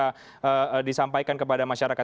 bisa disampaikan kepada masyarakat